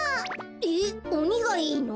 えっおにがいいの？